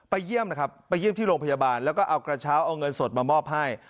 เยี่ยมนะครับไปเยี่ยมที่โรงพยาบาลแล้วก็เอากระเช้าเอาเงินสดมามอบให้